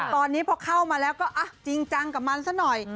ตอนนี้พอเข้ามาแล้วก็จริงจังกับมันซะหน่อย